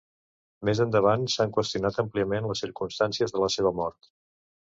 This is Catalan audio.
Més endavant s'han qüestionat àmpliament les circumstàncies de la seva mort.